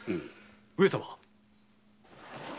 ・上様。